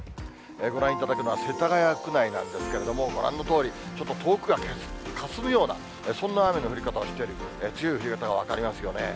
ご覧いただくのは世田谷区内なんですけれども、ご覧のとおり、ちょっと遠くがかすむような、そんな雨の降り方をしている、強い降り方が分かりますよね。